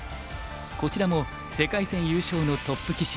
こちらも世界戦優勝のトップ棋士。